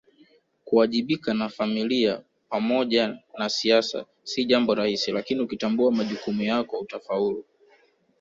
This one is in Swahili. Kuwajibika na Familia pamoja na siasa si jambo rahisi lakini ukitambua majukumu yako utafaulu